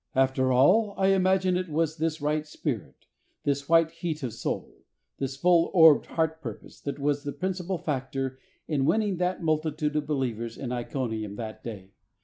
After all, I imagine it was this right spirit, this white heat of soul, this full orbed heart purpose that was the principal factor in winning that multitude of believers in Iconium that day.